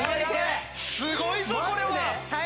すごいぞこれは！